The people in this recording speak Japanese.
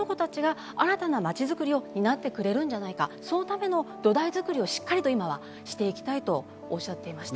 その子たちが新たな街づくりを担ってくれるんじゃないか、そのための土台作りをしっかりと今はしていきたいとおっしゃっていました。